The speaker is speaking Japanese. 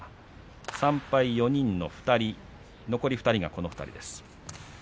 ３敗４人の残り２人がこの２人です。